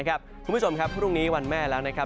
คุณผู้ชมครับพรุ่งนี้วันแม่แล้วนะครับ